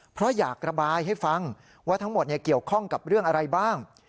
เพราะอยากระบายให้ฟังว่าทั้งหมดเกี่ยวข้องกับเรื่องอะไรบ้าง